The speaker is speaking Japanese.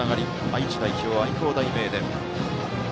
愛知代表、愛工大名電。